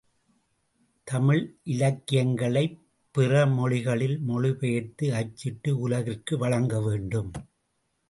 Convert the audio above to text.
தமிழ் இலக்கியங்களைப் பிற மொழிகளில் மொழி பெயர்த்து அச்சிட்டு உலகிற்கு வழங்கவேண்டும்.